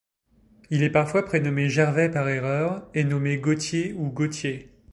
Il est parfois prénommé Gervais par erreur et nommé Gautier ou Gauthier.